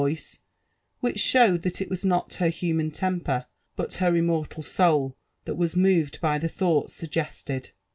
voice, which showed that It was not her humaa temper, but h#r lfli «> mortal soul, that was moved by the thoughts suggested.